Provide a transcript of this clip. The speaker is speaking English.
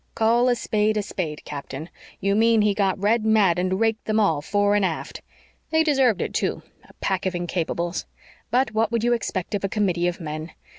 "Call a spade a spade, Captain. You mean he got red mad and raked them all, fore and aft. They deserved it too a pack of incapables. But what would you expect of a committee of men?